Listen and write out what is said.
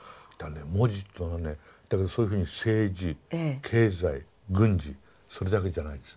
文字っていうのはねだけどそういうふうに政治経済軍事それだけじゃないんですね。